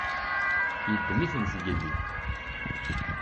Yeddem-iten zgelli.